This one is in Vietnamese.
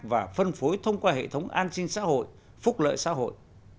và phân phối thông qua hệ thống an sinh xã hội phúc lợi xã hội